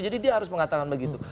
jadi dia harus mengatakan begitu